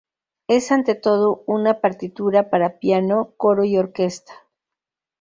Es ante todo una partitura para piano, coro y orquesta.